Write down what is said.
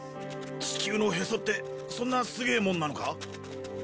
地球のへそってそんなすげえもんなのか？